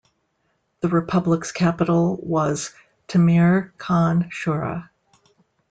The Republic's capital was Temir-Khan-Shura.